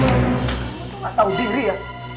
kamu tuh gak tau diri ya